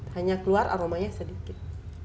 hanya keluar aromanya sedikit